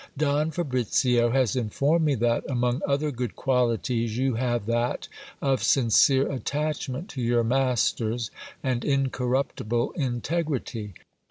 Don Fabricio has informed me that, among other good qualities, you have that of sincere attachment to your masters, and incorruptible integrity.